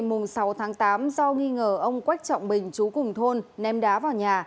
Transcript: ngày sáu tháng tám do nghi ngờ ông quách trọng bình chú cùng thôn ném đá vào nhà